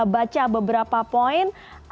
baca beberapa poin